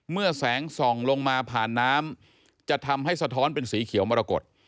เมื่อแสงส่องลงมาผ่านน้ำจะทำให้สะท้อนเป็นสีเขียวมรกฏ